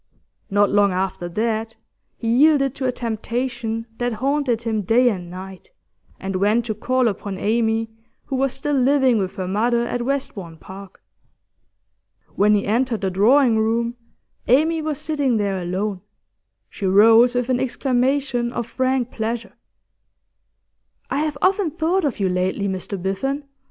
Not long after that he yielded to a temptation that haunted him day and night, and went to call upon Amy, who was still living with her mother at Westbourne Park. When he entered the drawing room Amy was sitting there alone; she rose with an exclamation of frank pleasure. 'I have often thought of you lately, Mr Biffen.